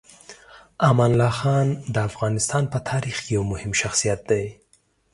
امان الله خان د افغانستان په تاریخ کې یو مهم شخصیت دی.